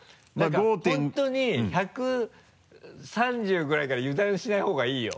何か本当に１３０ｃｍぐらいから油断しないほうがいいよ。